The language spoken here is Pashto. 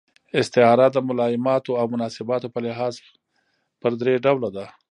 استعاره د ملایماتو او مناسباتو په لحاظ پر درې ډوله ده.